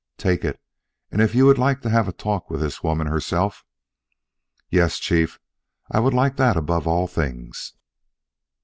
"Take it, and if you would like to have a talk with the woman herself " "Yes, Chief; I would like that above all things."